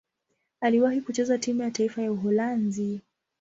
Aliwahi kucheza timu ya taifa ya Uholanzi.